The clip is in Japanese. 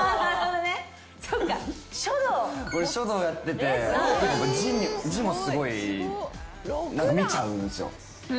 俺書道やってて字もすごい見ちゃうんすよ。